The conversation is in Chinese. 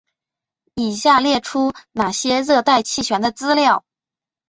以下列出那些热带气旋的资料。